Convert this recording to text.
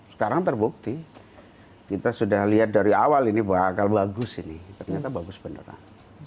sekarang terbukti kita sudah lihat dari awal ini bakal bagus ini ternyata bagus beneran